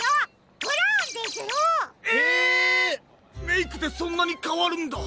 メイクでそんなにかわるんだ。